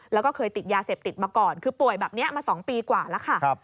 แล้วก็เคยติดยาเสพติดมาก่อนคือป่วยแบบนี้มา๒ปีกว่าแล้วค่ะ